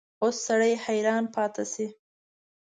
اوس سړی حیران پاتې شي.